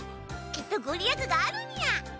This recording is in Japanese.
きっとご利益があるにゃ。